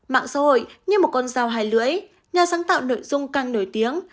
mạng xã hội như một con dao hai lưỡi nhà sáng tạo nội dung càng nổi tiếng